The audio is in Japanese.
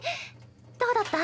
どうだった？